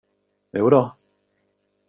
Jo då.